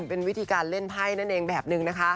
เป็นวิธีการเล่นไข้สักอย่าง